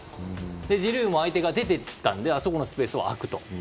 ジルーも相手が出て行ったのであそこのスペースが空くと。